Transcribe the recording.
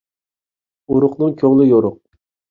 ئورۇقنىڭ كۆڭلى يورۇق.